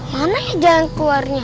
mana ya jalan keluarnya